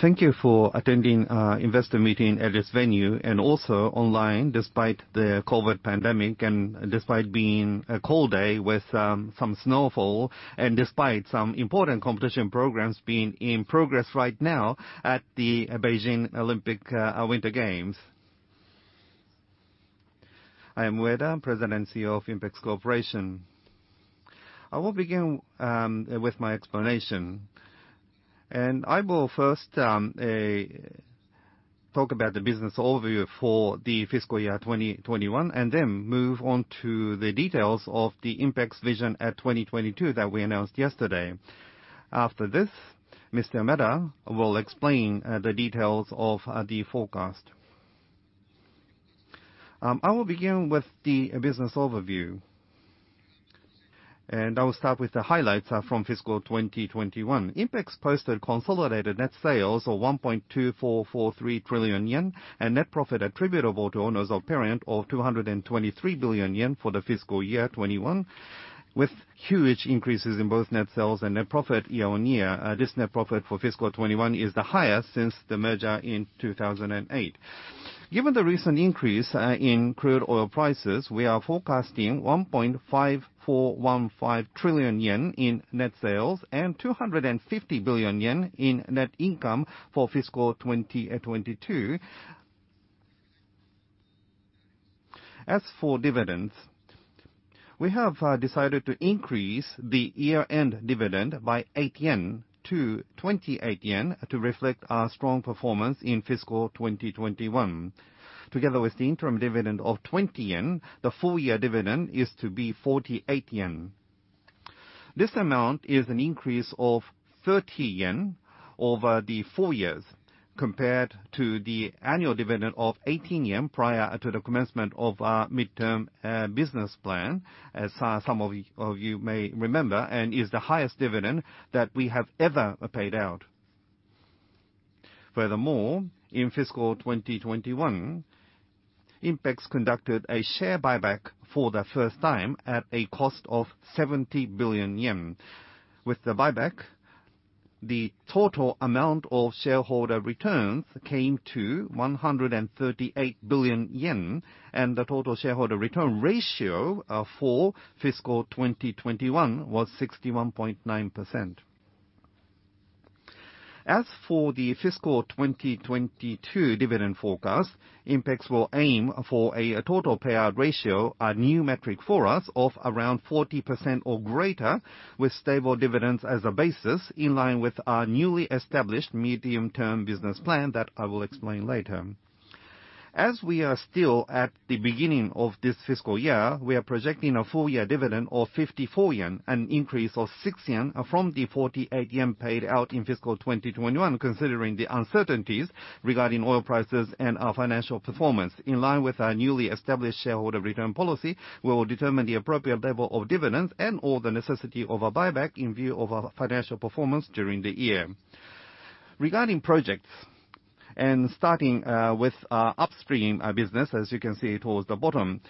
Thank you for attending investor meeting at this venue and also online despite the COVID pandemic, and despite being a cold day with some snowfall, and despite some important competition programs being in progress right now at the Beijing Olympic Winter Games. I am Ueda, President and CEO of INPEX Corporation. I will begin with my explanation. I will first talk about the business overview for the fiscal year 2021, and then move on to the details of the INPEX Vision 2022 that we announced yesterday. After this, Mr. Yamada will explain the details of the forecast. I will begin with the business overview. I will start with the highlights from fiscal 2021. INPEX posted consolidated net sales of 1.2443 trillion yen, and net profit attributable to owners of parent of 223 billion yen for the fiscal year 2021, with huge increases in both net sales and net profit year-on-year. This net profit for fiscal 2021 is the highest since the merger in 2008. Given the recent increase in crude oil prices, we are forecasting 1.5415 trillion yen in net sales and 250 billion yen in net income for fiscal 2022. As for dividends, we have decided to increase the year-end dividend by 8 yen to 28 yen to reflect our strong performance in fiscal 2021. Together with the interim dividend of 20 yen, the full year dividend is to be 48 yen. This amount is an increase of 30 yen over the four years compared to the annual dividend of 18 yen prior to the commencement of our midterm business plan, as some of you may remember, and is the highest dividend that we have ever paid out. Furthermore, in fiscal 2021, INPEX conducted a share buyback for the first time at a cost of 70 billion yen. With the buyback, the total amount of shareholder returns came to 138 billion yen, and the total shareholder return ratio for fiscal 2021 was 61.9%. As for the fiscal 2022 dividend forecast, INPEX will aim for a total payout ratio, a new metric for us, of around 40% or greater with stable dividends as a basis in line with our newly established medium-term business plan that I will explain later. As we are still at the beginning of this fiscal year, we are projecting a full year dividend of 54 yen, an increase of 6 yen from the 48 yen paid out in fiscal 2021, considering the uncertainties regarding oil prices and our financial performance. In line with our newly established shareholder return policy, we will determine the appropriate level of dividends and/or the necessity of a buyback in view of our financial performance during the year. Regarding projects, and starting with our upstream business, as you can see towards the bottom,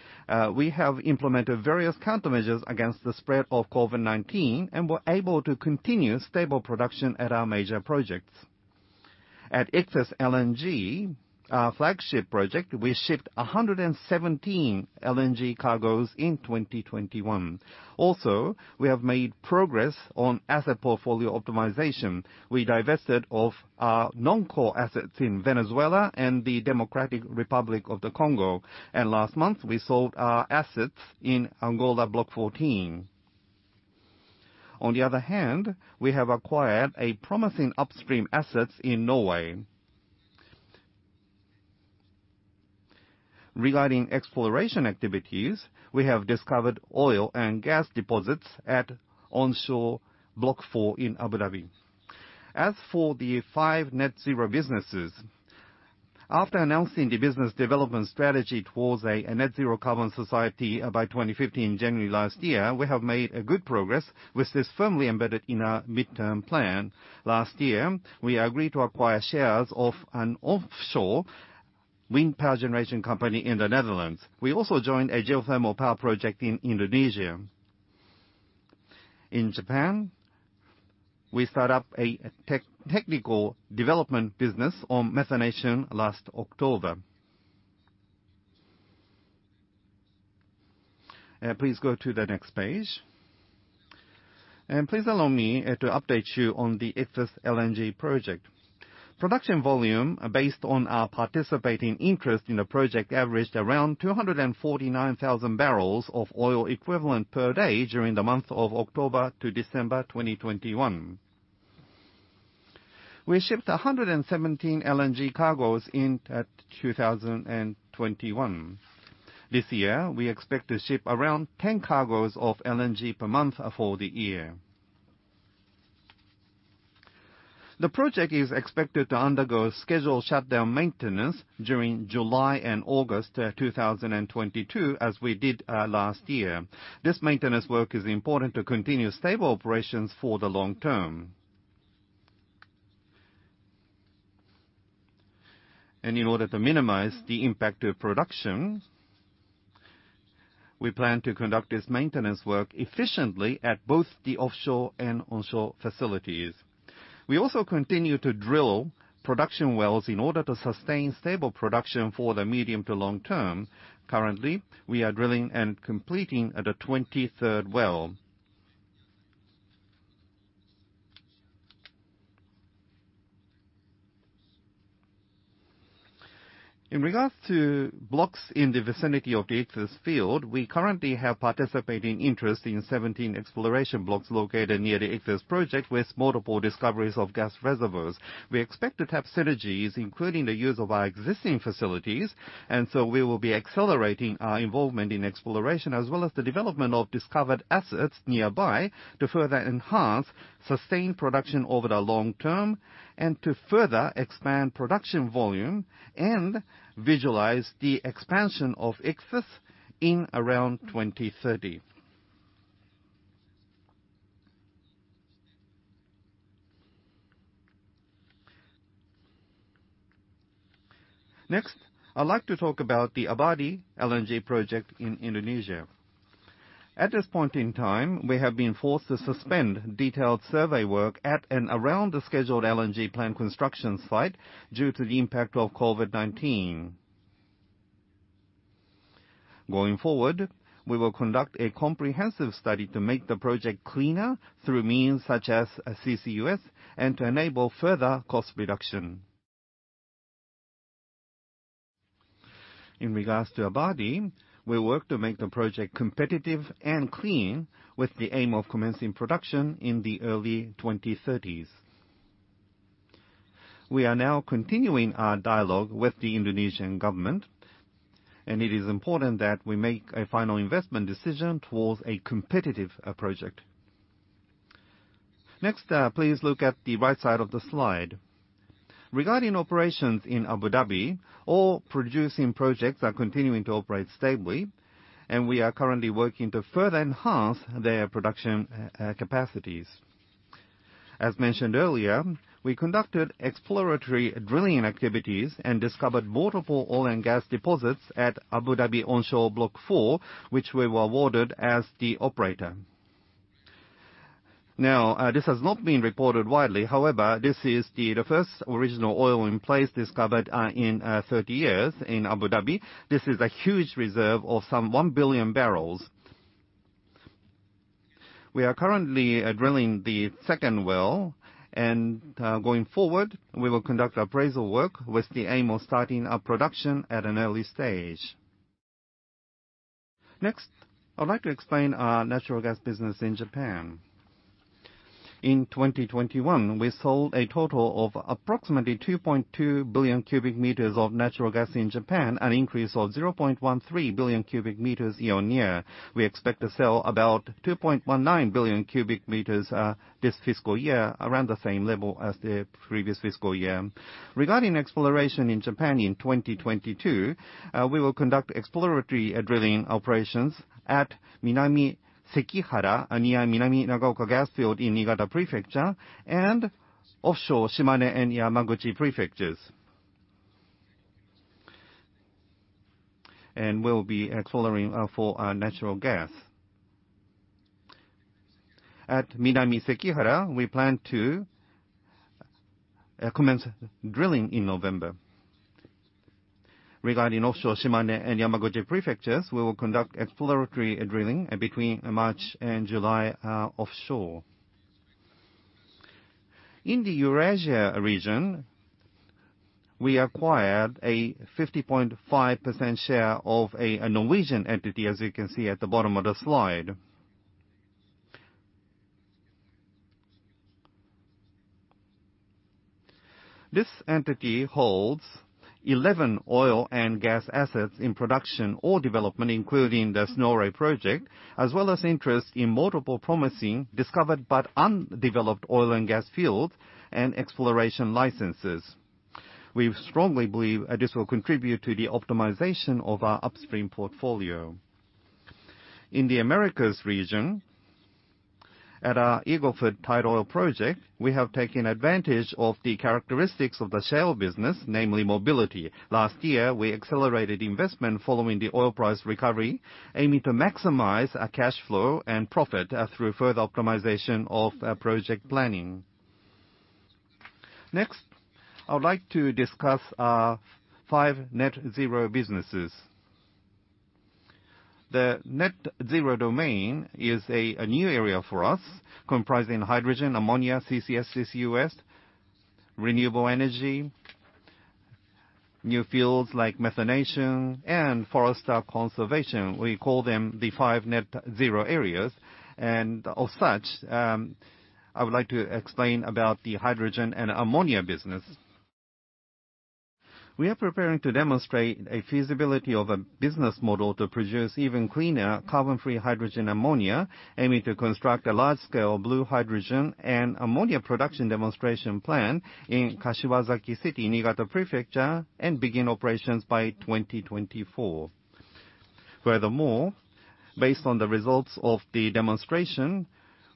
we have implemented various countermeasures against the spread of COVID-19 and were able to continue stable production at our major projects. At Ichthys LNG, our flagship project, we shipped 117 LNG cargoes in 2021. Also, we have made progress on asset portfolio optimization. We divested of our non-core assets in Venezuela and the Democratic Republic of the Congo. Last month, we sold our assets in Angola Block 14. On the other hand, we have acquired a promising upstream assets in Norway. Regarding exploration activities, we have discovered oil and gas deposits at onshore Block IV in Abu Dhabi. As for the five net zero businesses, after announcing the business development strategy towards a net zero carbon society by 2050, January last year, we have made a good progress with this firmly embedded in our midterm plan. Last year, we agreed to acquire shares of an offshore wind power generation company in the Netherlands. We also joined a geothermal power project in Indonesia. In Japan, we start up a technical development business on methanation last October. Please go to the next page. Please allow me to update you on the Ichthys LNG project. Production volume based on our participating interest in the project averaged around 249,000 barrels of oil equivalent per day during the month of October to December 2021. We shipped 117 LNG cargoes in 2021. This year, we expect to ship around 10 cargoes of LNG per month for the year. The project is expected to undergo scheduled shutdown maintenance during July and August, 2022, as we did last year. This maintenance work is important to continue stable operations for the long term. In order to minimize the impact to production, we plan to conduct this maintenance work efficiently at both the offshore and onshore facilities. We also continue to drill production wells in order to sustain stable production for the medium to long term. Currently, we are drilling and completing at a 23rd well. In regards to blocks in the vicinity of the Ichthys field, we currently have participating interest in 17 exploration blocks located near the Ichthys project with multiple discoveries of gas reservoirs. We expect to have synergies, including the use of our existing facilities, and so we will be accelerating our involvement in exploration as well as the development of discovered assets nearby to further enhance sustained production over the long term and to further expand production volume and visualize the expansion of Ichthys in around 2030. Next, I'd like to talk about the Abadi LNG project in Indonesia. At this point in time, we have been forced to suspend detailed survey work at and around the scheduled LNG plant construction site due to the impact of COVID-19. Going forward, we will conduct a comprehensive study to make the project cleaner through means such as CCUS and to enable further cost reduction. In regards to Abadi, we work to make the project competitive and clean with the aim of commencing production in the early 2030s. We are now continuing our dialogue with the Indonesian government, and it is important that we make a final investment decision towards a competitive project. Next, please look at the right side of the slide. Regarding operations in Abu Dhabi, all producing projects are continuing to operate stably, and we are currently working to further enhance their production capacities. As mentioned earlier, we conducted exploratory drilling activities and discovered multiple oil and gas deposits at Abu Dhabi Onshore Block 4, which we were awarded as the operator. Now, this has not been reported widely. However, this is the first original oil in place discovered in 30 years in Abu Dhabi. This is a huge reserve of some one billion barrels. We are currently drilling the second well, and going forward, we will conduct appraisal work with the aim of starting our production at an early stage. Next, I'd like to explain our natural gas business in Japan. In 2021, we sold a total of approximately 2.2 billion cubic meters of natural gas in Japan, an increase of 0.13 billion cubic meters year-on-year. We expect to sell about 2.19 billion cubic meters this fiscal year, around the same level as the previous fiscal year. Regarding exploration in Japan in 2022, we will conduct exploratory drilling operations at Minami-Sekihara near Minami-Nagaoka Gas Field in Niigata Prefecture and offshore Shimane and Yamaguchi prefectures. We'll be exploring for natural gas. At Minami-Sekihara, we plan to commence drilling in November. Regarding offshore Shimane and Yamaguchi prefectures, we will conduct exploratory drilling between March and July offshore. In the Eurasia region, we acquired a 50.5% share of a Norwegian entity, as you can see at the bottom of the slide. This entity holds 11 oil and gas assets in production or development, including the Snorre project, as well as interest in multiple promising discovered but undeveloped oil and gas fields and exploration licenses. We strongly believe this will contribute to the optimization of our upstream portfolio. In the Americas region, at our Eagle Ford tight oil project, we have taken advantage of the characteristics of the shale business, namely mobility. Last year, we accelerated investment following the oil price recovery, aiming to maximize our cash flow and profit through further optimization of project planning. Next, I would like to discuss our five net zero businesses. The net zero domain is a new area for us comprising hydrogen, ammonia, CCS, CCUS, renewable energy, new fields like methanation, and forest conservation. We call them the five net zero areas. Of such, I would like to explain about the hydrogen and ammonia business. We are preparing to demonstrate a feasibility of a business model to produce even cleaner carbon-free hydrogen ammonia, aiming to construct a large-scale blue hydrogen and ammonia production demonstration plant in Kashiwazaki City, Niigata Prefecture, and begin operations by 2024. Furthermore, based on the results of the demonstration,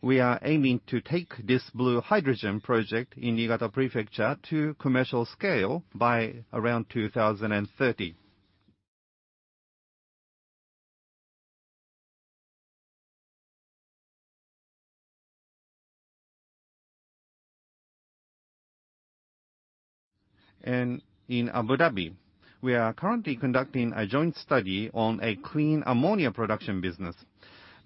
we are aiming to take this blue hydrogen project in Niigata Prefecture to commercial scale by around 2030. In Abu Dhabi, we are currently conducting a joint study on a clean ammonia production business.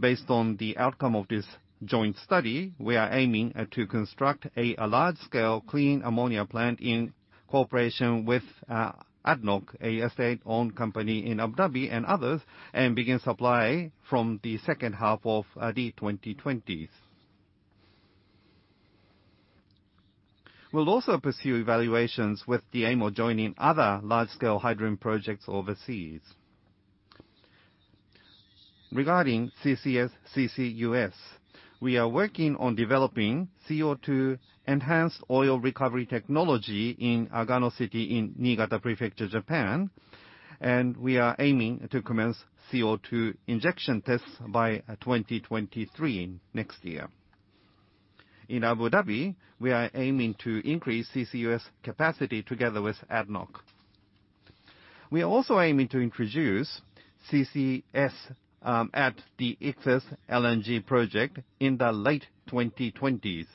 Based on the outcome of this joint study, we are aiming to construct a large-scale clean ammonia plant in cooperation with ADNOC, a UAE-owned company in Abu Dhabi and others, and begin supply from the second half of the 2020s. We'll also pursue evaluations with the aim of joining other large-scale hydrogen projects overseas. Regarding CCS/CCUS, we are working on developing CO2-enhanced oil recovery technology in Agano City in Niigata Prefecture, Japan, and we are aiming to commence CO2 injection tests by 2023, next year. In Abu Dhabi, we are aiming to increase CCUS capacity together with ADNOC. We are also aiming to introduce CCS at the Ichthys LNG project in the late 2020s.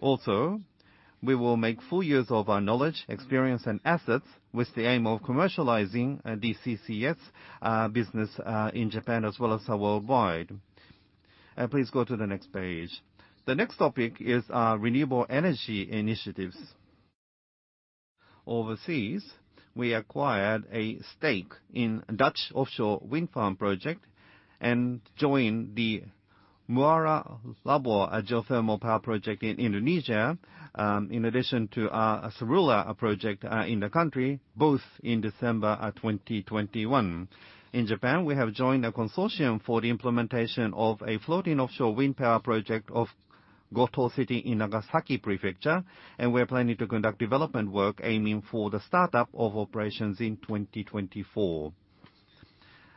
Also, we will make full use of our knowledge, experience, and assets with the aim of commercializing the CCS business in Japan as well as worldwide. Please go to the next page. The next topic is our renewable energy initiatives. Overseas, we acquired a stake in Dutch offshore wind farm project and joined the Muara Laboh geothermal power project in Indonesia, in addition to our Sarulla project in the country, both in December 2021. In Japan, we have joined a consortium for the implementation of a floating offshore wind power project of Goto City in Nagasaki Prefecture, and we're planning to conduct development work aiming for the startup of operations in 2024.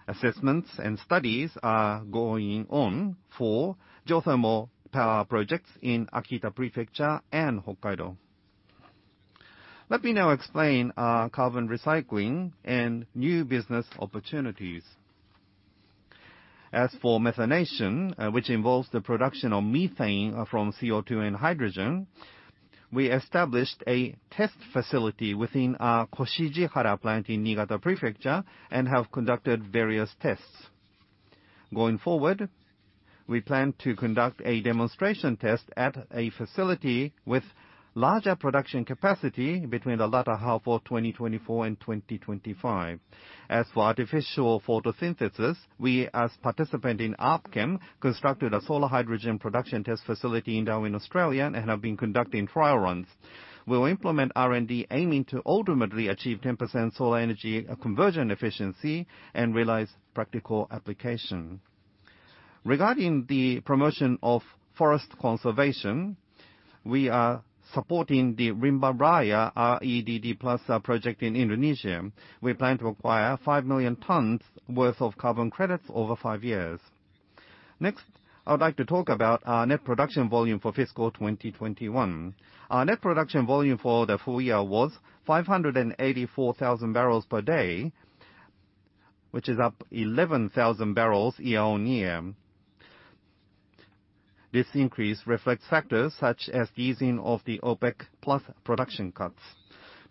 Assessments and studies are going on for geothermal power projects in Akita Prefecture and Hokkaido. Let me now explain our carbon recycling and new business opportunities. As for methanation, which involves the production of methane from CO2 and hydrogen, we established a test facility within our Koshijihara plant in Niigata Prefecture and have conducted various tests. Going forward, we plan to conduct a demonstration test at a facility with larger production capacity between the latter half of 2024 and 2025. As for artificial photosynthesis, we, as participant in ARPChem, constructed a solar hydrogen production test facility in Darwin, Australia, and have been conducting trial runs. We'll implement R&D aiming to ultimately achieve 10% solar energy conversion efficiency and realize practical application. Regarding the promotion of forest conservation, we are supporting the Rimba Raya REDD+ project in Indonesia. We plan to acquire 5 million tons worth of carbon credits over five years. Next, I would like to talk about our net production volume for fiscal 2021. Our net production volume for the full year was 584,000 barrels per day, which is up 11,000 barrels year-on-year. This increase reflects factors such as the easing of the OPEC+ production cuts.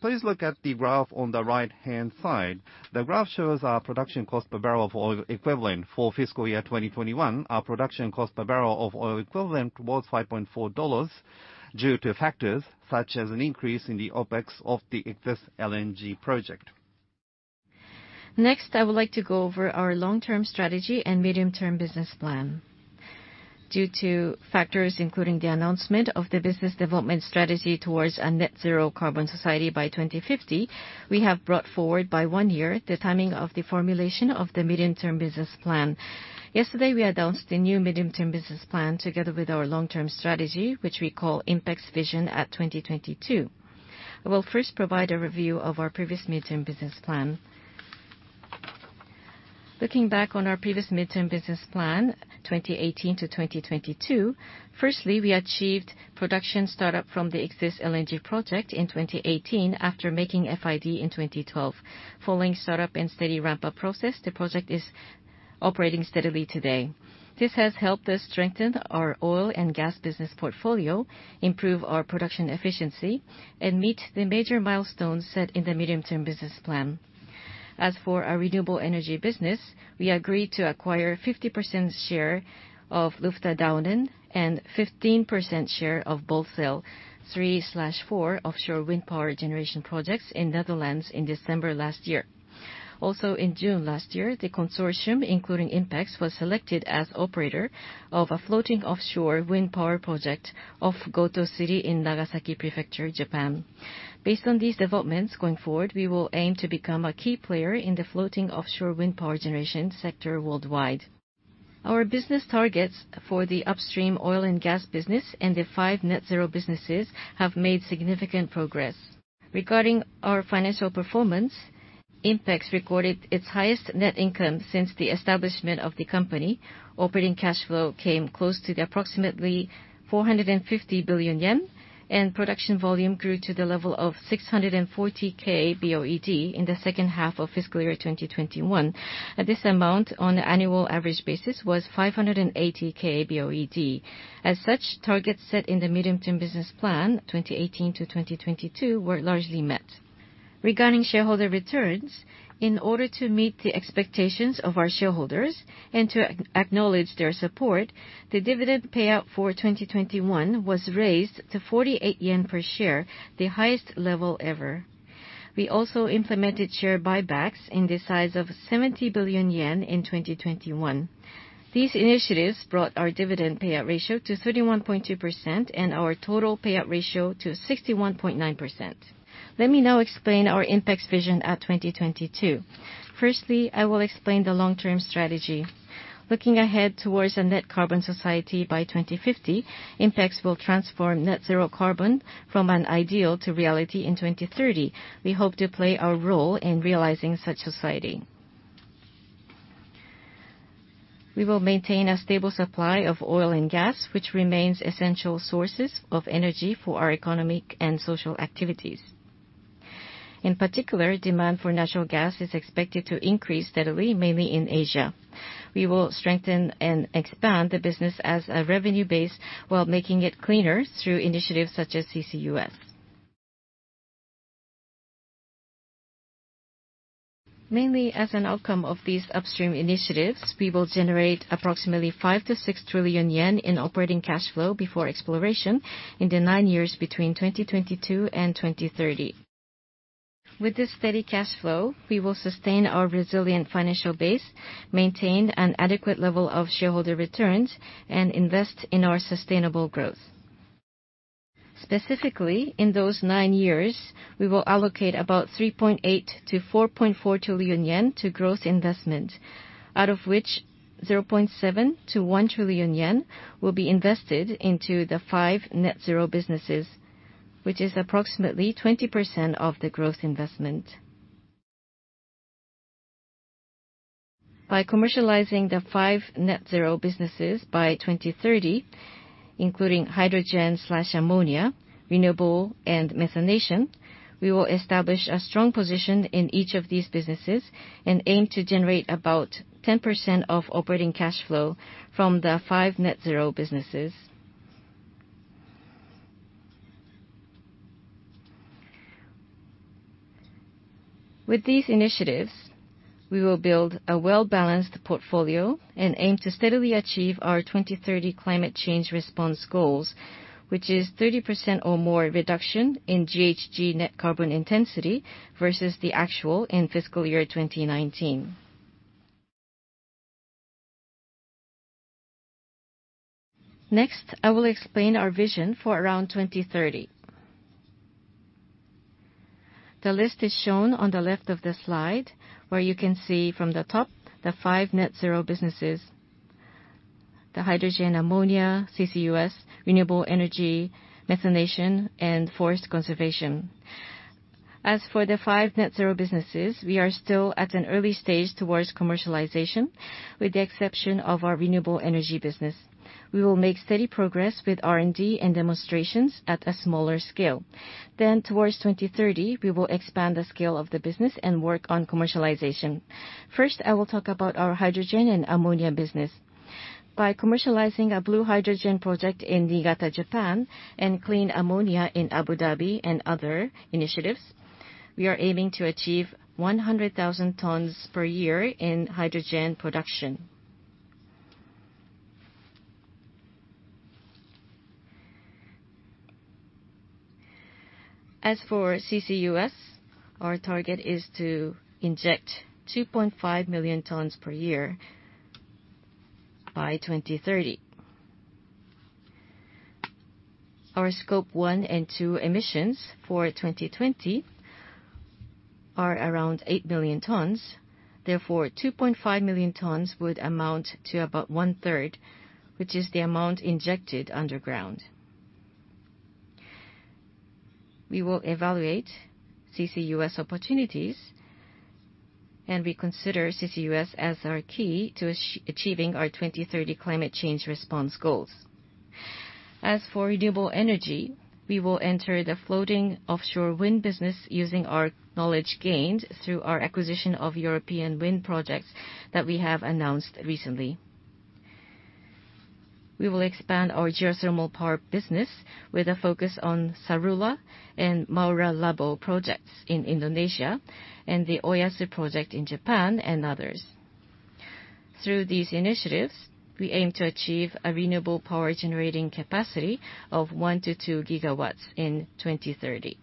Please look at the graph on the right-hand side. The graph shows our production cost per barrel of oil equivalent for fiscal year 2021. Our production cost per barrel of oil equivalent was $5.4 due to factors such as an increase in the OPEX of the Ichthys LNG project. Next, I would like to go over our long-term strategy and medium-term business plan. Due to factors including the announcement of the business development strategy towards a net zero carbon society by 2050, we have brought forward by one year the timing of the formulation of the medium-term business plan. Yesterday, we announced a new medium-term business plan together with our long-term strategy, which we call INPEX Vision 2022. I will first provide a review of our previous medium-term business plan. Looking back on our previous medium-term business plan, 2018 to 2022, firstly, we achieved production startup from the Ichthys LNG project in 2018 after making FID in 2012. Following startup and steady ramp-up process, the project is operating steadily today. This has helped us strengthen our oil and gas business portfolio, improve our production efficiency, and meet the major milestones set in the medium-term business plan. As for our renewable energy business, we agreed to acquire 50% share of Luchterduinen and 15% share of Borssele III/IV offshore wind power generation projects in the Netherlands in December last year. Also, in June last year, the consortium, including INPEX, was selected as operator of a floating offshore wind power project of Goto City in Nagasaki Prefecture, Japan. Based on these developments going forward, we will aim to become a key player in the floating offshore wind power generation sector worldwide. Our business targets for the upstream oil and gas business and the five net zero businesses have made significant progress. Regarding our financial performance, INPEX recorded its highest net income since the establishment of the company. Operating cash flow came close to approximately 450 billion yen, and production volume grew to the level of 640 KBOED in the second half of fiscal year 2021. This amount on an annual average basis was 580 KBOED. Targets set in the medium-term business plan, 2018-2022, were largely met. Regarding shareholder returns, in order to meet the expectations of our shareholders and to acknowledge their support, the dividend payout for 2021 was raised to 48 yen per share, the highest level ever. We also implemented share buybacks in the size of 70 billion yen in 2021. These initiatives brought our dividend payout ratio to 31.2% and our total payout ratio to 61.9%. Let me now explain our INPEX Vision 2022. Firstly, I will explain the long-term strategy. Looking ahead towards a net zero carbon society by 2050, INPEX will transform net zero carbon from an ideal to reality in 2030. We hope to play a role in realizing such society. We will maintain a stable supply of oil and gas, which remains essential sources of energy for our economic and social activities. In particular, demand for natural gas is expected to increase steadily, mainly in Asia. We will strengthen and expand the business as a revenue base while making it cleaner through initiatives such as CCUS. Mainly as an outcome of these upstream initiatives, we will generate approximately 5 trillion-6 trillion yen in operating cash flow before exploration in the nine years between 2022 and 2030. With this steady cash flow, we will sustain our resilient financial base, maintain an adequate level of shareholder returns, and invest in our sustainable growth. Specifically, in those nine years, we will allocate about 3.8 trillion-4.4 trillion yen to growth investment, out of which 0.7 trillion-1 trillion yen will be invested into the five net zero businesses, which is approximately 20% of the growth investment. By commercializing the five net zero businesses by 2030, including hydrogen/ammonia, renewable, and methanation, we will establish a strong position in each of these businesses and aim to generate about 10% of operating cash flow from the five net zero businesses. With these initiatives, we will build a well-balanced portfolio and aim to steadily achieve our 2030 climate change response goals, which is 30% or more reduction in GHG net carbon intensity versus the actual in fiscal year 2019. Next, I will explain our vision for around 2030. The list is shown on the left of the slide, where you can see from the top the five net zero businesses, the hydrogen, ammonia, CCUS, renewable energy, methanation, and forest conservation. As for the five net zero businesses, we are still at an early stage towards commercialization, with the exception of our renewable energy business. We will make steady progress with R&D and demonstrations at a smaller scale. Towards 2030, we will expand the scale of the business and work on commercialization. First, I will talk about our hydrogen and ammonia business. By commercializing a blue hydrogen project in Niigata, Japan, and clean ammonia in Abu Dhabi and other initiatives, we are aiming to achieve 100,000 tons per year in hydrogen production. As for CCUS, our target is to inject 2.5 million tons per year by 2030. Our scope 1 and 2 emissions for 2020 are around 8 million tons. Therefore, 2.5 million tons would amount to about 1/3, which is the amount injected underground. We will evaluate CCUS opportunities, and we consider CCUS as our key to achieving our 2030 climate change response goals. As for renewable energy, we will enter the floating offshore wind business using our knowledge gained through our acquisition of European wind projects that we have announced recently. We will expand our geothermal power business with a focus on Sarulla and Muara Laboh projects in Indonesia and the Oyasu project in Japan and others. Through these initiatives, we aim to achieve a renewable power generating capacity of 1-2 GW in 2030.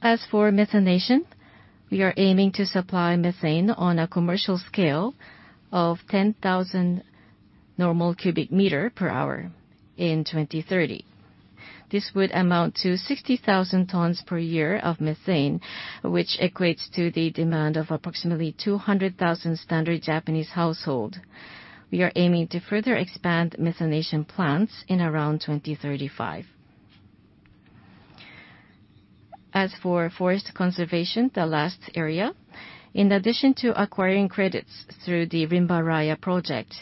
As for methanation, we are aiming to supply methane on a commercial scale of 10,000 normal cubic m per hour in 2030. This would amount to 60,000 tons per year of methane, which equates to the demand of approximately 200,000 standard Japanese households. We are aiming to further expand methanation plants in around 2035. As for forest conservation, the last area, in addition to acquiring credits through the Rimba Raya project,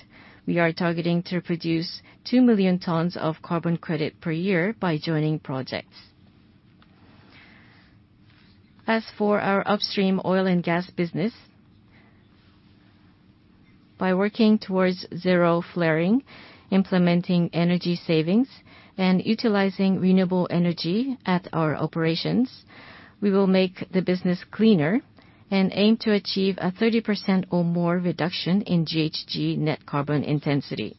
we are targeting to produce 2 million tons of carbon credits per year by joining projects. As for our upstream oil and gas business, by working towards zero flaring, implementing energy savings, and utilizing renewable energy at our operations, we will make the business cleaner and aim to achieve a 30% or more reduction in GHG net carbon intensity.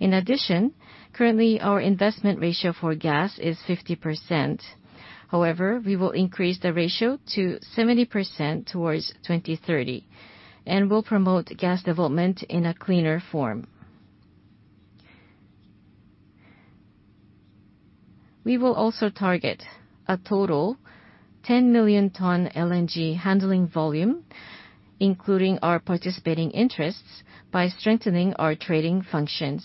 In addition, currently our investment ratio for gas is 50%. However, we will increase the ratio to 70% towards 2030, and we'll promote gas development in a cleaner form. We will also target a total 10 million ton LNG handling volume, including our participating interests, by strengthening our trading functions.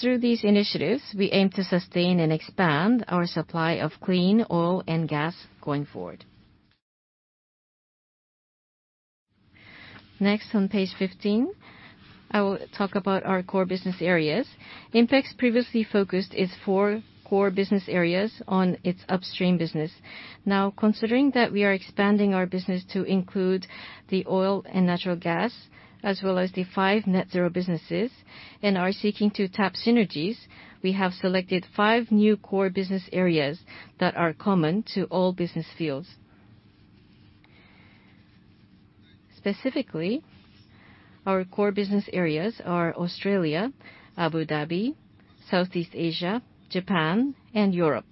Through these initiatives, we aim to sustain and expand our supply of clean oil and gas going forward. Next, on page 15, I will talk about our core business areas. INPEX previously focused its four core business areas on its upstream business. Now, considering that we are expanding our business to include the oil and natural gas, as well as the five net-zero businesses, and are seeking to tap synergies, we have selected five new core business areas that are common to all business fields. Specifically, our core business areas are Australia, Abu Dhabi, Southeast Asia, Japan, and Europe.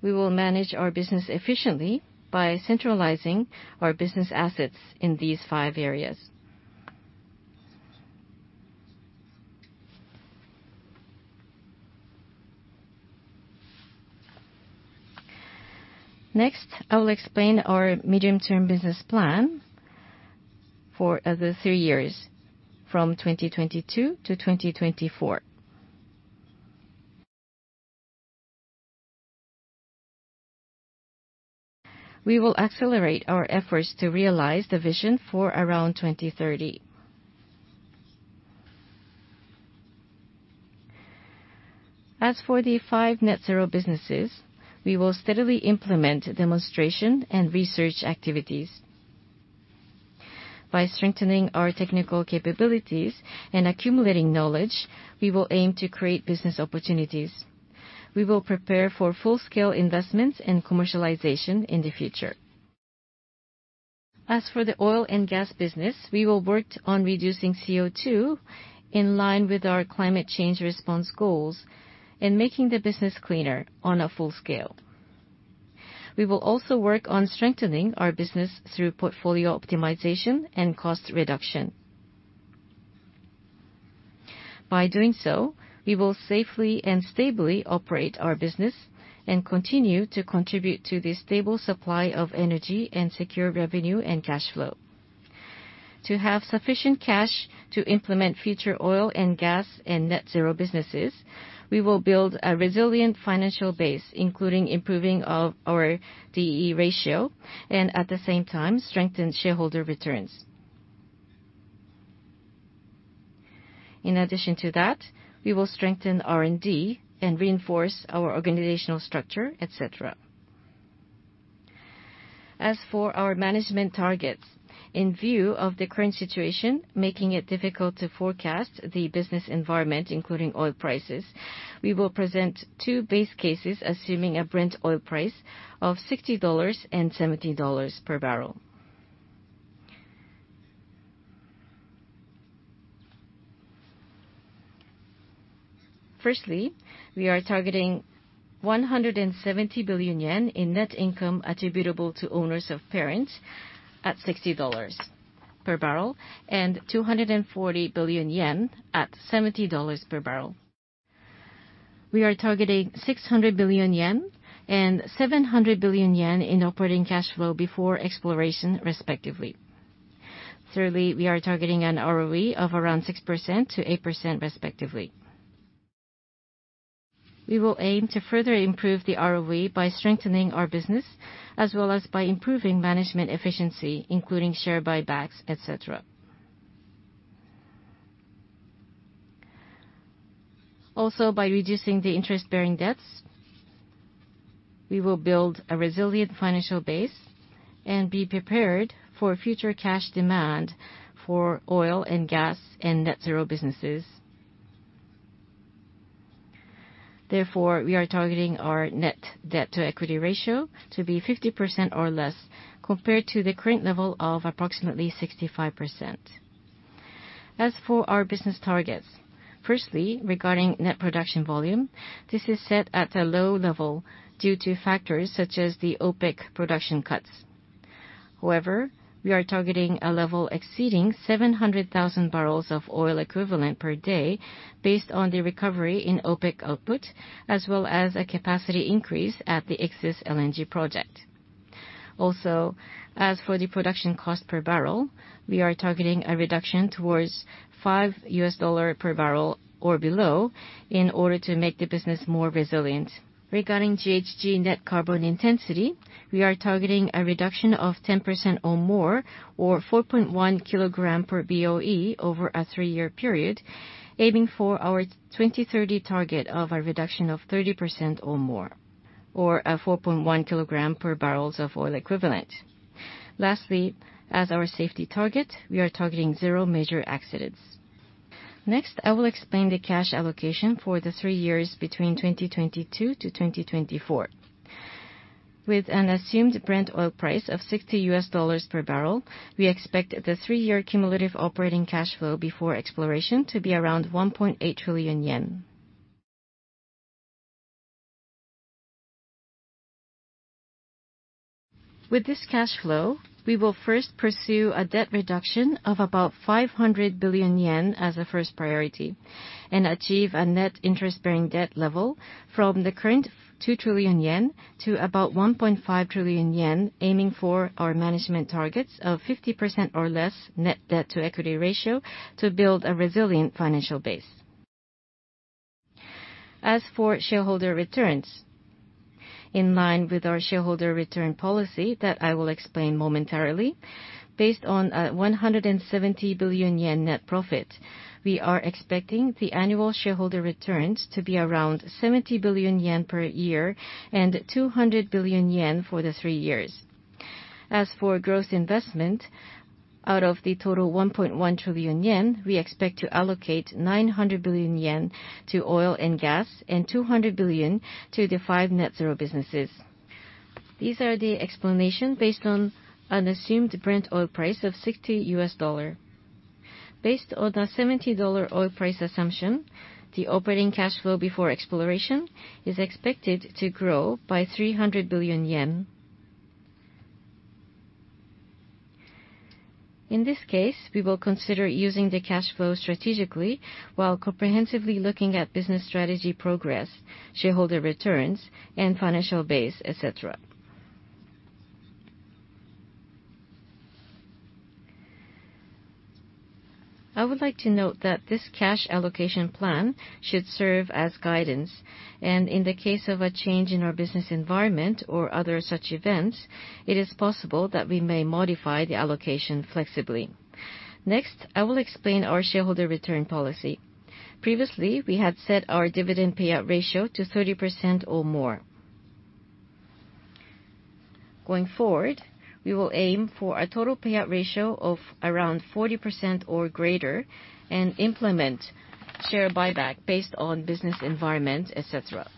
We will manage our business efficiently by centralizing our business assets in these five areas. Next, I will explain our medium-term business plan for the three years, from 2022 to 2024. We will accelerate our efforts to realize the vision for around 2030. As for the five net-zero businesses, we will steadily implement demonstration and research activities. By strengthening our technical capabilities and accumulating knowledge, we will aim to create business opportunities. We will prepare for full-scale investments and commercialization in the future. As for the oil and gas business, we will work on reducing CO2 in line with our climate change response goals and making the business cleaner on a full scale. We will also work on strengthening our business through portfolio optimization and cost reduction. By doing so, we will safely and stably operate our business and continue to contribute to the stable supply of energy and secure revenue and cash flow. To have sufficient cash to implement future oil and gas and net-zero businesses, we will build a resilient financial base, including improving of our D/E ratio, and at the same time, strengthen shareholder returns. In addition to that, we will strengthen R&D and reinforce our organizational structure, etc. As for our management targets, in view of the current situation, making it difficult to forecast the business environment, including oil prices, we will present two base cases assuming a Brent oil price of $60 and $70 per barrel. Firstly, we are targeting 170 billion yen in net income attributable to owners of parent at $60 per barrel, and 240 billion yen at $70 per barrel. We are targeting 600 billion yen and 700 billion yen in operating cash flow before exploration, respectively. Thirdly, we are targeting an ROE of around 6%-8% respectively. We will aim to further improve the ROE by strengthening our business, as well as by improving management efficiency, including share buybacks, etc. Also, by reducing the interest-bearing debts, we will build a resilient financial base and be prepared for future cash demand for oil and gas and net-zero businesses. Therefore, we are targeting our net debt-to-equity ratio to be 50% or less compared to the current level of approximately 65%. As for our business targets, firstly, regarding net production volume, this is set at a low level due to factors such as the OPEC production cuts. However, we are targeting a level exceeding 700,000 barrels of oil equivalent per day based on the recovery in OPEC output, as well as a capacity increase at the Ichthys LNG project. Also, as for the production cost per barrel, we are targeting a reduction towards $5 per barrel or below in order to make the business more resilient. Regarding GHG net carbon intensity, we are targeting a reduction of 10% or more, or 4.1 kg per BOE over a three year period, aiming for our 2030 target of a reduction of 30% or more, or 4.1 kg per barrels of oil equivalent. Lastly, as our safety target, we are targeting zero major accidents. Next, I will explain the cash allocation for the three years between 2022 to 2024. With an assumed Brent oil price of $60 per barrel, we expect the three year cumulative operating cash flow before exploration to be around 1.8 trillion yen. With this cash flow, we will first pursue a debt reduction of about 500 billion yen as a first priority, and achieve a net interest-bearing debt level from the current 2 trillion yen to about 1.5 trillion yen, aiming for our management targets of 50% or less net D/E ratio to build a resilient financial base. As for shareholder returns, in line with our shareholder return policy that I will explain momentarily, based on 170 billion yen net profit, we are expecting the annual shareholder returns to be around 70 billion yen per year and 200 billion yen for the three years. As for gross investment, out of the total 1.1 trillion yen, we expect to allocate 900 billion yen to oil and gas and 200 billion to the five net zero businesses. These are the explanation based on an assumed Brent oil price of $60. Based on the $70 oil price assumption, the operating cash flow before exploration is expected to grow by 300 billion yen. In this case, we will consider using the cash flow strategically while comprehensively looking at business strategy progress, shareholder returns, and financial base, etc. I would like to note that this cash allocation plan should serve as guidance, and in the case of a change in our business environment or other such events, it is possible that we may modify the allocation flexibly. Next, I will explain our shareholder return policy. Previously, we had set our dividend payout ratio to 30% or more. Going forward, we will aim for a total payout ratio of around 40% or greater and implement share buyback based on business environment, etc.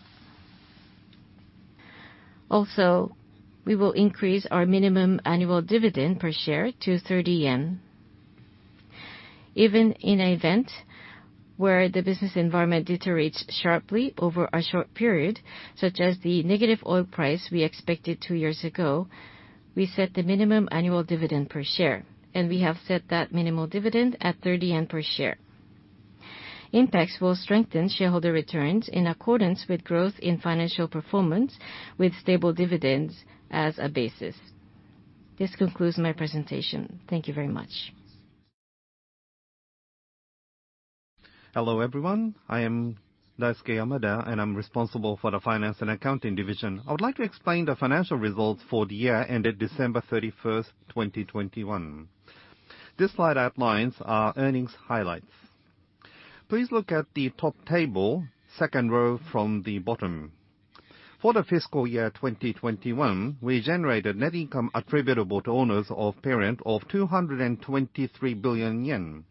Also, we will increase our minimum annual dividend per share to 30 yen. Even in the event where the business environment deteriorates sharply over a short period, such as the negative oil price we expected two years ago, we set the minimum annual dividend per share, and we have set that minimal dividend at 30 yen per share. This will strengthen shareholder returns in accordance with growth in financial performance with stable dividends as a basis. This concludes my presentation. Thank you very much. Hello, everyone. I am Daisuke Yamada, and I'm responsible for the finance and accounting division. I would like to explain the financial results for the year ended December 31, 2021. This slide outlines our earnings highlights. Please look at the top table, second row from the bottom. For the fiscal year 2021, we generated net income attributable to owners of parent of 223 billion yen.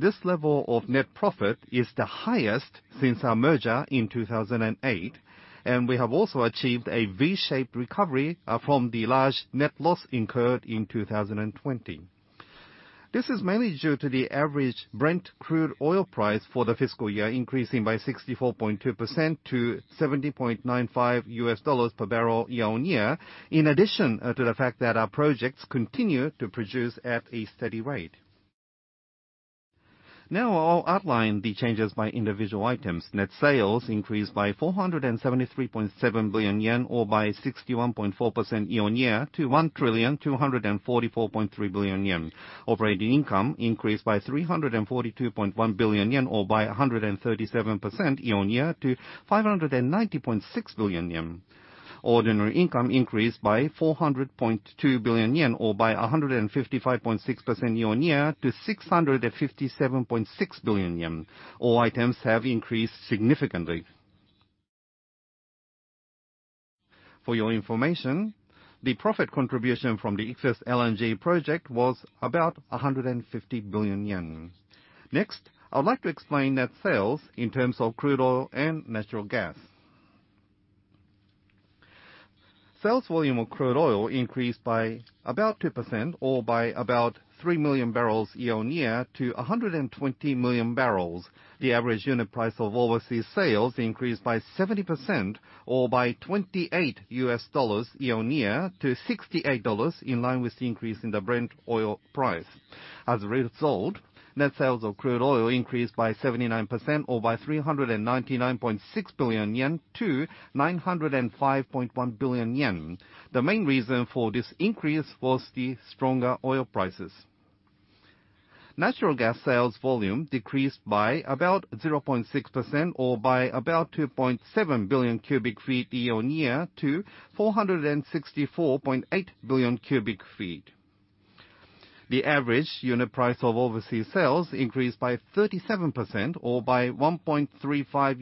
This level of net profit is the highest since our merger in 2008, and we have also achieved a V-shaped recovery from the large net loss incurred in 2020. This is mainly due to the average Brent crude oil price for the fiscal year increasing by 64.2% to $70.95 per barrel year-on-year, in addition, to the fact that our projects continue to produce at a steady rate. Now I'll outline the changes by individual items. Net sales increased by 473.7 billion yen or by 61.4% year-on-year to 1,244.3 billion yen. Operating income increased by 342.1 billion yen or by 137% year-on-year to 590.6 billion yen. Ordinary income increased by 400.2 billion yen or by 155.6% year-on-year to 657.6 billion yen. All items have increased significantly. For your information, the profit contribution from the Ichthys LNG project was about 150 billion yen. Next, I would like to explain net sales in terms of crude oil and natural gas. Sales volume of crude oil increased by about 2% or by about three million barrels year-on-year to 120 million barrels. The average unit price of overseas sales increased by 70% or by $28 year-on-year to $68, in line with the increase in the Brent oil price. As a result, net sales of crude oil increased by 79% or by 399.6 billion yen to 905.1 billion yen. The main reason for this increase was the stronger oil prices. Natural gas sales volume decreased by about 0.6% or by about 2.7 billion cubic feet year-on-year to 464.8 billion cubic feet. The average unit price of overseas sales increased by 37% or by $1.35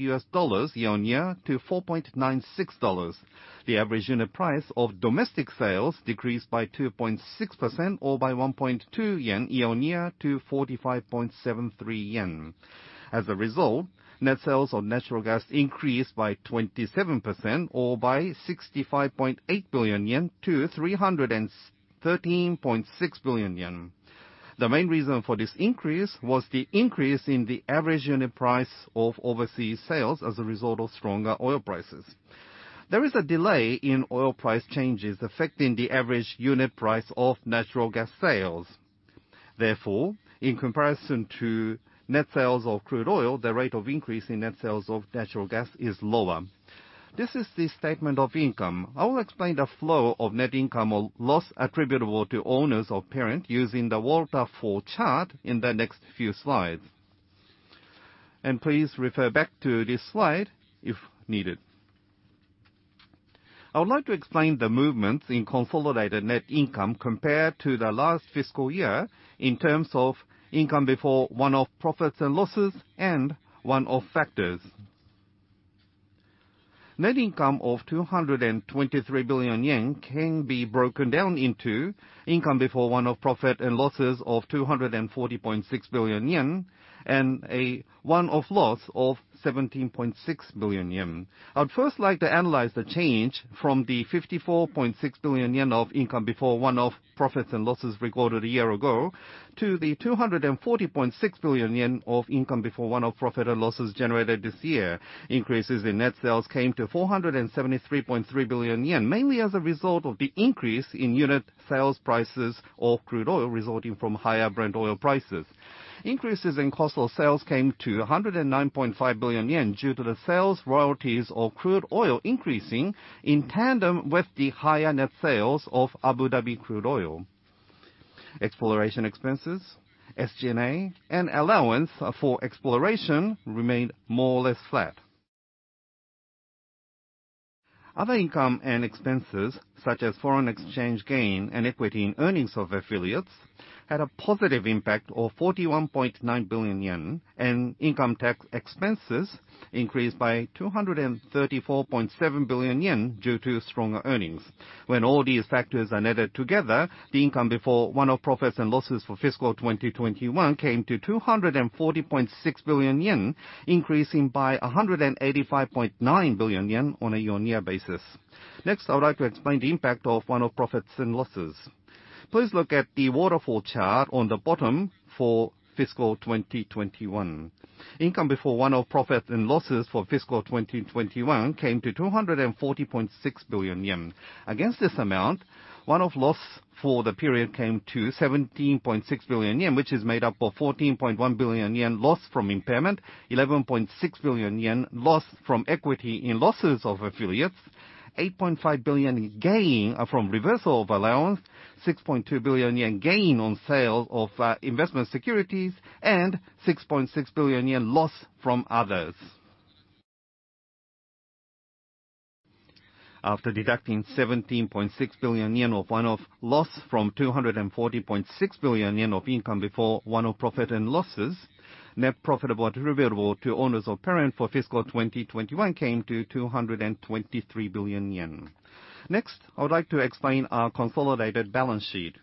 year-on-year to $4.96. The average unit price of domestic sales decreased by 2.6% or by 1.2 yen year-on-year to 45.73 yen. As a result, net sales of natural gas increased by 27% or by 65.8 billion yen to 313.6 billion yen. The main reason for this increase was the increase in the average unit price of overseas sales as a result of stronger oil prices. There is a delay in oil price changes affecting the average unit price of natural gas sales. Therefore, in comparison to net sales of crude oil, the rate of increase in net sales of natural gas is lower. This is the statement of income. I will explain the flow of net income or loss attributable to owners of parent using the waterfall chart in the next few slides. Please refer back to this slide if needed. I would like to explain the movements in consolidated net income compared to the last fiscal year in terms of income before one-off profits and losses and one-off factors. Net income of 223 billion yen can be broken down into income before one-off profit and losses of 240.6 billion yen and a one-off loss of 17.6 billion yen. I'd first like to analyze the change from the 54.6 billion yen of income before one-off profits and losses recorded a year ago to the 240.6 billion yen of income before one-off profit or losses generated this year. Increases in net sales came to 473.3 billion yen, mainly as a result of the increase in unit sales prices of crude oil resulting from higher Brent oil prices. Increases in cost of sales came to 109.5 billion yen due to the sales royalties of crude oil increasing in tandem with the higher net sales of Abu Dhabi crude oil. Exploration expenses, SG&A, and allowance for exploration remained more or less flat. Other income and expenses such as foreign exchange gain and equity in earnings of affiliates had a positive impact of 41.9 billion yen, and income tax expenses increased by 234.7 billion yen due to stronger earnings. When all these factors are netted together, the income before one-off profits and losses for fiscal 2021 came to 240.6 billion yen, increasing by 185.9 billion yen on a year-on-year basis. Next, I would like to explain the impact of one-off profits and losses. Please look at the waterfall chart on the bottom for fiscal 2021. Income before one-off profits and losses for fiscal 2021 came to 240.6 billion yen. Against this amount, one-off loss for the period came to 17.6 billion yen, which is made up of 14.1 billion yen loss from impairment, 11.6 billion yen loss from equity in losses of affiliates, 8.5 billion gain from reversal of allowance, 6.2 billion yen gain on sale of investment securities, and 6.6 billion yen loss from others. After deducting 17.6 billion yen of one-off loss from 240.6 billion yen of income before one-off profit and losses, net profit attributable to owners of parent for fiscal 2021 came to 223 billion yen. Next, I would like to explain our consolidated balance sheet.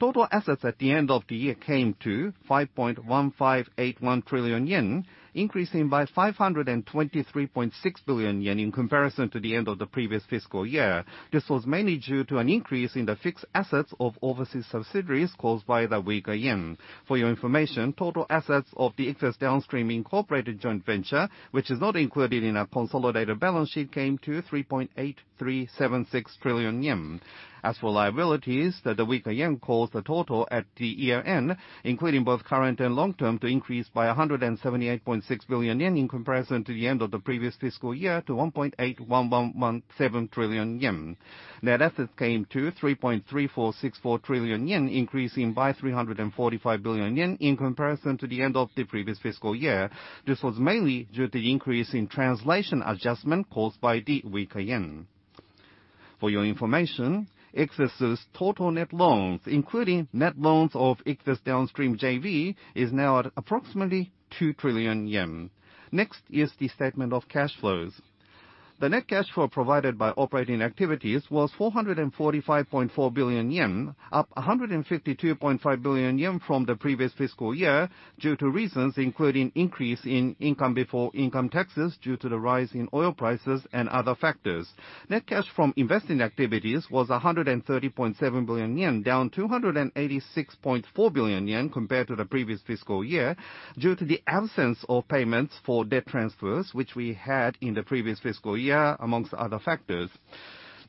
Total assets at the end of the year came to 5.1581 trillion yen, increasing by 523.6 billion yen in comparison to the end of the previous fiscal year. This was mainly due to an increase in the fixed assets of overseas subsidiaries caused by the weaker yen. For your information, total assets of the Ichthys Downstream Incorporated joint venture, which is not included in our consolidated balance sheet, came to 3.8376 trillion yen. As for liabilities, the weaker yen caused the total at the year-end, including both current and long-term, to increase by 178.6 billion yen in comparison to the end of the previous fiscal year to 1.81117 trillion yen. Net assets came to JPY 3.3464 trillion, increasing by 345 billion yen in comparison to the end of the previous fiscal year. This was mainly due to the increase in translation adjustment caused by the weaker yen. For your information, INPEX's total net loans, including net loans of Ichthys Downstream JV, is now at approximately 2 trillion yen. Next is the statement of cash flows. The net cash flow provided by operating activities was 445.4 billion yen, up 152.5 billion yen from the previous fiscal year due to reasons including increase in income before income taxes due to the rise in oil prices and other factors. Net cash from investing activities was 130.7 billion yen, down 286.4 billion yen compared to the previous fiscal year due to the absence of payments for debt transfers, which we had in the previous fiscal year, among other factors.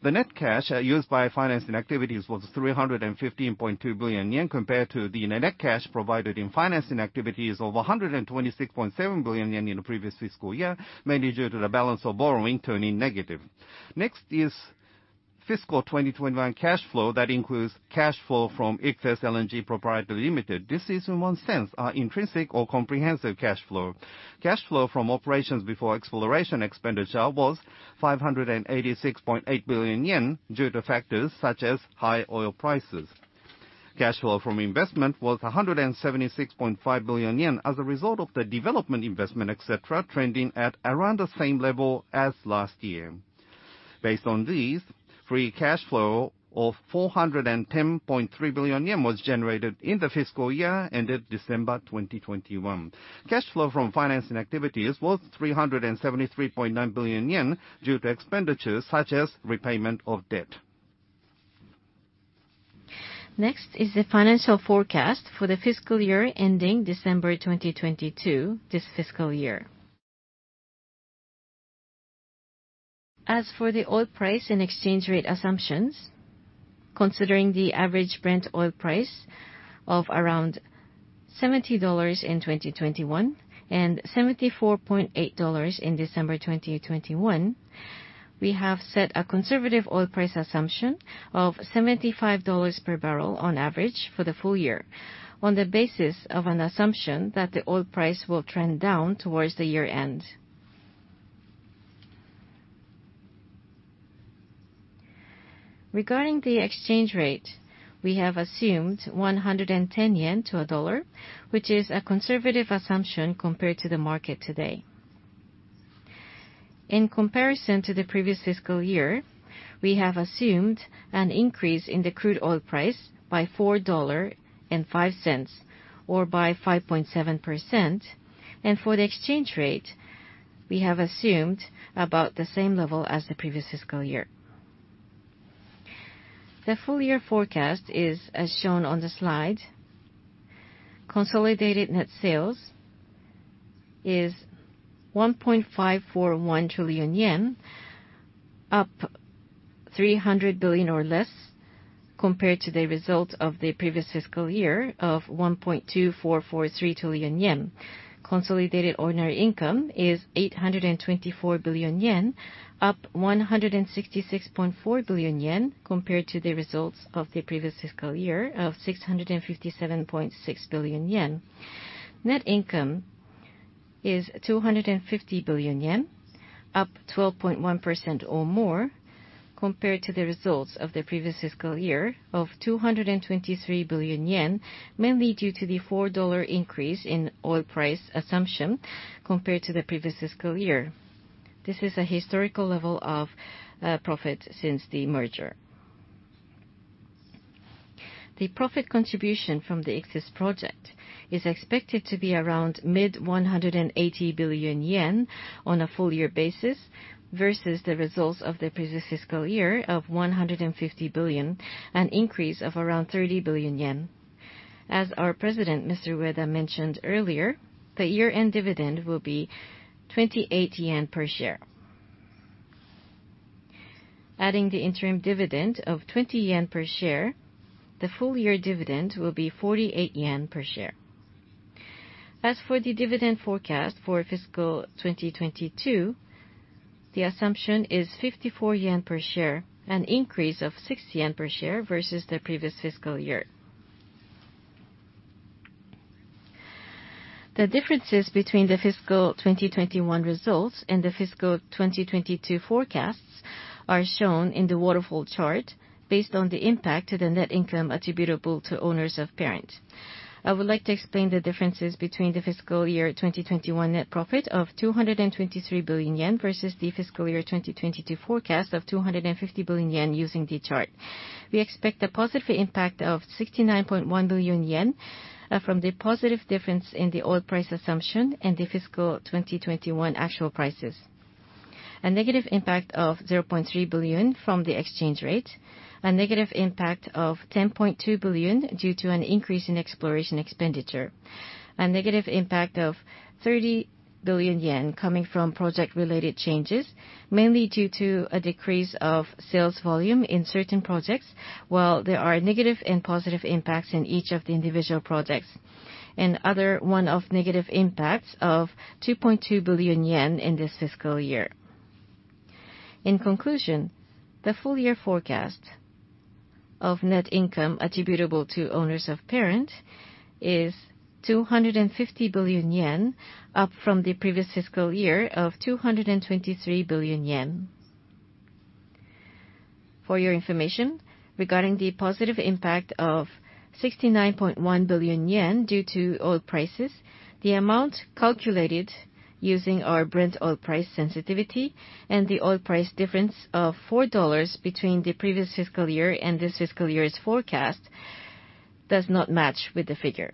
The net cash used by financing activities was 315.2 billion yen compared to the net cash provided in financing activities of 126.7 billion yen in the previous fiscal year, mainly due to the balance of borrowing turning negative. Next is fiscal 2021 cash flow that includes cash flow from Ichthys LNG Pty Ltd. This is in one sense our intrinsic or comprehensive cash flow. Cash flow from operations before exploration expenditure was 586.8 billion yen due to factors such as high oil prices. Cash flow from investment was 176.5 billion yen as a result of the development investment, etc., trending at around the same level as last year. Based on these, free cash flow of 410.3 billion yen was generated in the fiscal year ended December 2021. Cash flow from financing activities was 373.9 billion yen due to expenditures such as repayment of debt. Next is the financial forecast for the fiscal year ending December 2022, this fiscal year. As for the oil price and exchange rate assumptions, considering the average Brent oil price of around $70 in 2021 and $74.8 in December 2021, we have set a conservative oil price assumption of $75 per barrel on average for the full year on the basis of an assumption that the oil price will trend down towards the year-end. Regarding the exchange rate, we have assumed 110 yen to a U.S. dollar, which is a conservative assumption compared to the market today. In comparison to the previous fiscal year, we have assumed an increase in the crude oil price by $4.05, or by 5.7%, and for the exchange rate, we have assumed about the same level as the previous fiscal year. The full year forecast is as shown on the slide. Consolidated net sales is JPY 1.541 trillion, up 300 billion or less compared to the results of the previous fiscal year of 1.2443 trillion yen. Consolidated ordinary income is 824 billion yen, up 166.4 billion yen compared to the results of the previous fiscal year of 657.6 billion yen. Net income is 250 billion yen, up 12.1% or more compared to the results of the previous fiscal year of 223 billion yen, mainly due to the $4 increase in oil price assumption compared to the previous fiscal year. This is a historical level of profit since the merger. The profit contribution from the Ichthys project is expected to be around mid 180 billion yen on a full year basis versus the results of the previous fiscal year of 150 billion, an increase of around 30 billion yen. As our president, Mr. Ueda, mentioned earlier, the year-end dividend will be 28 yen per share. Adding the interim dividend of 20 yen per share, the full year dividend will be 48 yen per share. As for the dividend forecast for fiscal 2022, the assumption is 54 yen per share, an increase of 6 yen per share versus the previous fiscal year. The differences between the fiscal 2021 results and the fiscal 2022 forecasts are shown in the waterfall chart based on the impact to the net income attributable to owners of parent. I would like to explain the differences between the fiscal year 2021 net profit of 223 billion yen versus the fiscal year 2022 forecast of 250 billion yen using the chart. We expect a positive impact of 69.1 billion yen from the positive difference in the oil price assumption and the fiscal 2021 actual prices, a negative impact of 3.3 billion from the exchange rate, a negative impact of 10.2 billion due to an increase in exploration expenditure, a negative impact of 30 billion yen coming from project-related changes, mainly due to a decrease of sales volume in certain projects, while there are negative and positive impacts in each of the individual projects, and other one-off negative impacts of 2.2 billion yen in this fiscal year. In conclusion, the full-year forecast of net income attributable to owners of the parent is 250 billion yen, up from the previous fiscal year of 223 billion yen. For your information, regarding the positive impact of 69.1 billion yen due to oil prices, the amount calculated using our Brent oil price sensitivity and the oil price difference of $4 between the previous fiscal year and this fiscal year's forecast does not match with the figure.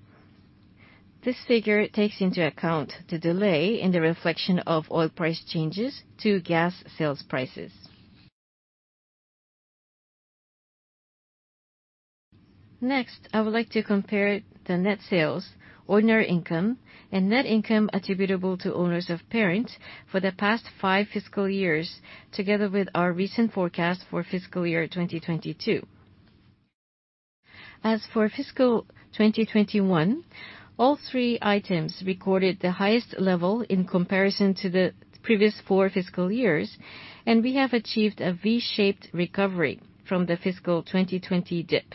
This figure takes into account the delay in the reflection of oil price changes to gas sales prices. Next, I would like to compare the net sales, ordinary income, and net income attributable to owners of the parent for the past five fiscal years, together with our recent forecast for fiscal year 2022. As for fiscal 2021, all three items recorded the highest level in comparison to the previous four fiscal years, and we have achieved a V-shaped recovery from the fiscal 2020 dip.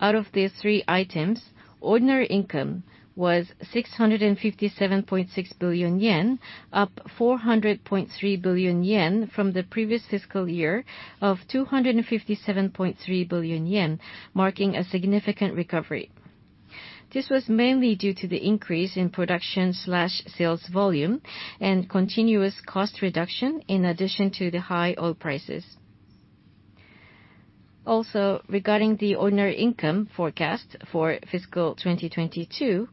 Out of these three items, ordinary income was 657.6 billion yen, up 400.3 billion yen from the previous fiscal year of 257.3 billion yen, marking a significant recovery. This was mainly due to the increase in production/sales volume and continuous cost reduction in addition to the high oil prices. Also, regarding the ordinary income forecast for fiscal 2022,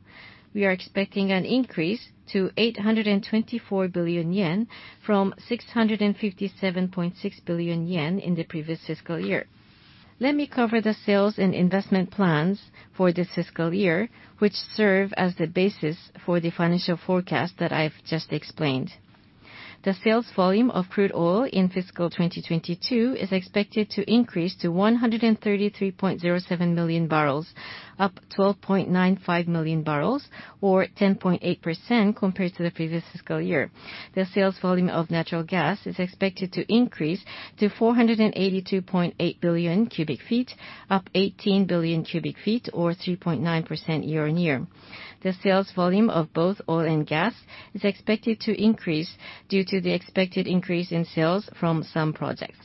we are expecting an increase to 824 billion yen from 657.6 billion yen in the previous fiscal year. Let me cover the sales and investment plans for this fiscal year, which serve as the basis for the financial forecast that I've just explained. The sales volume of crude oil in fiscal 2022 is expected to increase to 133.07 billion barrels, up 12.95 million barrels, or 10.8% compared to the previous fiscal year. The sales volume of natural gas is expected to increase to 482.8 billion cubic feet, up 18 billion cubic feet or 3.9% year-on-year. The sales volume of both oil and gas is expected to increase due to the expected increase in sales from some projects.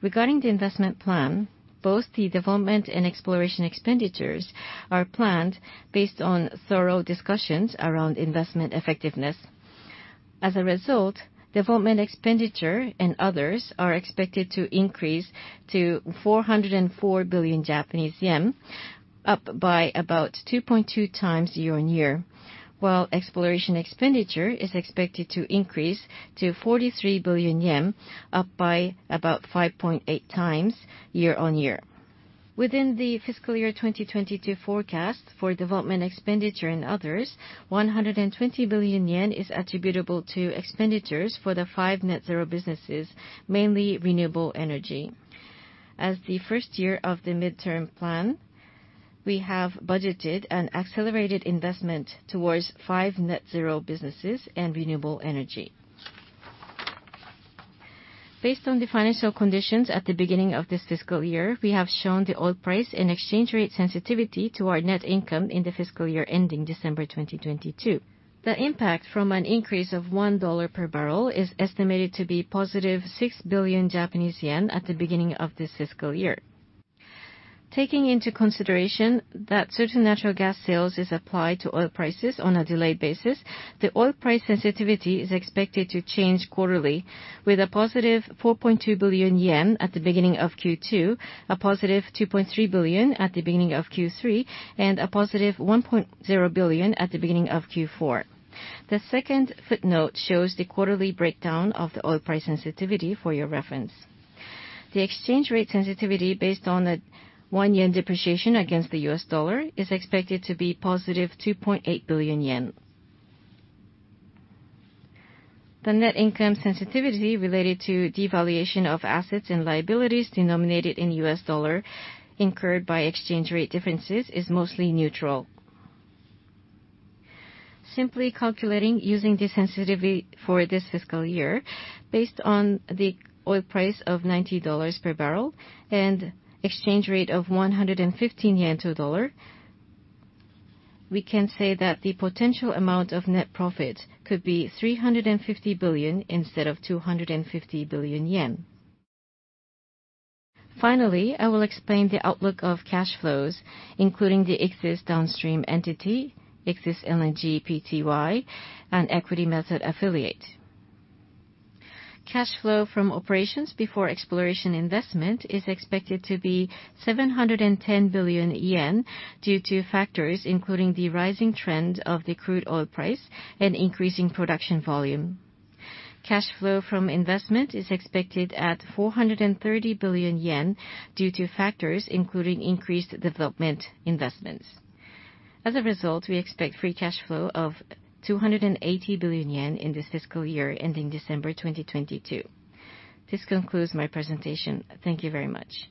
Regarding the investment plan, both the development and exploration expenditures are planned based on thorough discussions around investment effectiveness. As a result, development expenditure and others are expected to increase to 404 billion Japanese yen, up by about 2.2x year-on-year. While exploration expenditure is expected to increase to 43 billion yen, up by about 5.8x year-on-year. Within the fiscal year 2022 forecast for development expenditure and others, 120 billion yen is attributable to expenditures for the five net zero businesses, mainly renewable energy. As the first year of the medium-term plan, we have budgeted an accelerated investment towards five net zero businesses and renewable energy. Based on the financial conditions at the beginning of this fiscal year, we have shown the oil price and exchange rate sensitivity to our net income in the fiscal year ending December 2022. The impact from an increase of $1 per barrel is estimated to be +6 billion Japanese yen at the beginning of this fiscal year. Taking into consideration that certain natural gas sales is applied to oil prices on a delayed basis, the oil price sensitivity is expected to change quarterly, with a +4.2 billion yen at the beginning of Q2, a +2.3 billion at the beginning of Q3, and a +1.0 billion at the beginning of Q4. The second footnote shows the quarterly breakdown of the oil price sensitivity for your reference. The exchange rate sensitivity based on a 1 yen depreciation against the U.S. dollar is expected to be +2.8 billion yen. The net income sensitivity related to devaluation of assets and liabilities denominated in U.S. dollar incurred by exchange rate differences is mostly neutral. Simply calculating using the sensitivity for this fiscal year, based on the oil price of $90 per barrel and exchange rate of 115 yen to a dollar, we can say that the potential amount of net profit could be 350 billion instead of 250 billion yen. Finally, I will explain the outlook of cash flows, including the Ichthys downstream entity, Ichthys LNG Pty, and equity method affiliate. Cash flow from operations before exploration investment is expected to be 710 billion yen due to factors including the rising trend of the crude oil price and increasing production volume. Cash flow from investment is expected at 430 billion yen due to factors including increased development investments. As a result, we expect free cash flow of 280 billion yen in this fiscal year ending December 2022. This concludes my presentation. Thank you very much.